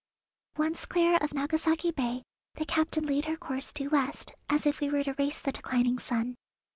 Once clear of Nagasaki Bay the captain laid her course due west, as if we were to race the declining sun.